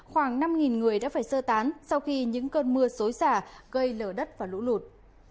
khoảng năm người đã phải sơ tán sau khi những cơn mưa xối xả gây lở đất và lũ lụt